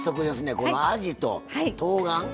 このあじととうがん